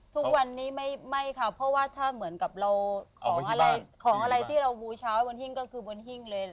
ทุกวันนี้ไม่ค่ะเพราะว่าถ้าเหมือนกับเราของอะไรของอะไรที่เราบูชาไว้บนหิ้งก็คือบนหิ้งเลย